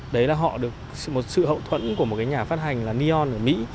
đấy là họ được một sự hậu thuẫn của một cái nhà phát hành là nion ở mỹ